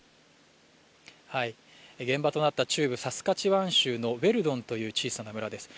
現場となった中部サスカチワン州のウェルドンという小さな村です